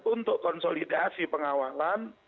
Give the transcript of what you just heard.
untuk konsolidasi pengawalan